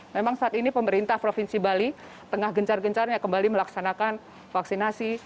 memang saat ini pemerintah provinsi bali tengah gencar gencarnya kembali melaksanakan vaksinasi